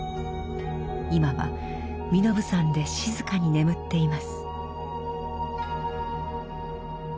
今は身延山で静かに眠っています。